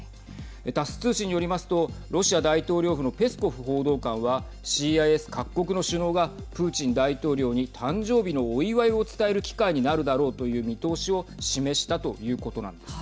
タス通信によりますとロシア大統領府のペスコフ報道官はＣＩＳ各国の首脳がプーチン大統領に誕生日のお祝いを伝える機会になるだろうという見通しを示したということなんです。